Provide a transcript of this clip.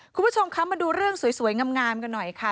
คุณผู้ชมคะมาดูเรื่องสวยงามกันหน่อยค่ะ